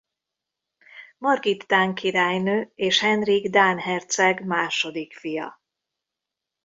Margit dán királynő és Henrik dán herceg második fia.